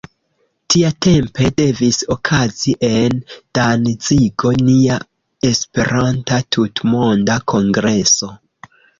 Tiatempe devis okazi en Danzigo nia esperanta tutmonda Kongreso.